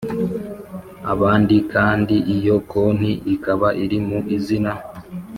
abandi kandi iyo konti ikaba iri mu izina.